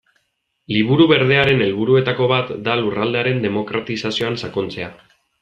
Liburu Berdearen helburuetako bat da lurraldearen demokratizazioan sakontzea.